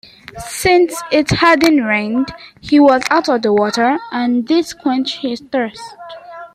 Since it hadn't rained, he was out of water and this quenched his thirst.